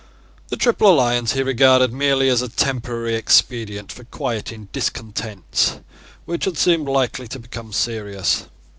The Triple Alliance he regarded merely as a temporary expedient for quieting discontents which had seemed likely to become serious.